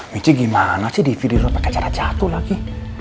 benci gimana sih di video rossa kejar kejar jatuh lagi